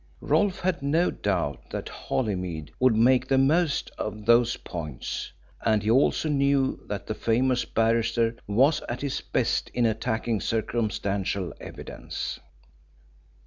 Rolfe had no doubt that Holymead would make the most of those points, and he also knew that the famous barrister was at his best in attacking circumstantial evidence.